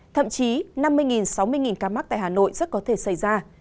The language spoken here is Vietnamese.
thậm chí năm mươi sáu mươi ca mắc tại hà nội rất có thể xảy ra